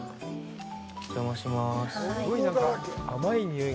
お邪魔します。